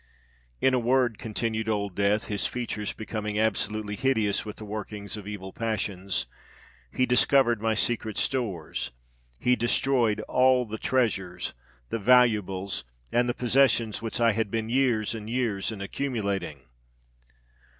In a word," continued Old Death, his features becoming absolutely hideous with the workings of evil passions, "he discovered my secret stores—he destroyed all the treasures, the valuables, and the possessions which I had been years and years in accumulating."